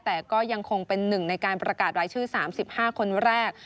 แต่ก็ยังคงเป็นหนึ่งในการประกาศรายชื่อ๓๕คนแรก